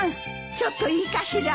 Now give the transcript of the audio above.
ちょっといいかしら。